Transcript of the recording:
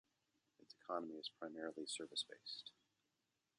Its economy is primarily service-based.